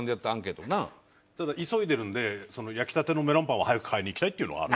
ただ急いでるんで焼きたてのメロンパンを早く買いに行きたいっていうのはある。